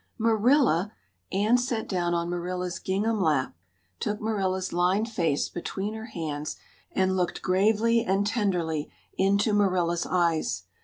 "Marilla!" Anne sat down on Marilla's gingham lap, took Marilla's lined face between her hands, and looked gravely and tenderly into Marilla's eyes.